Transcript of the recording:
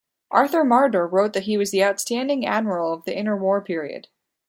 Arthur Marder wrote that he was the outstanding admiral of the inter-war period.